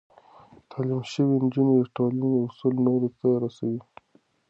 تعليم شوې نجونې د ټولنې اصول نورو ته رسوي.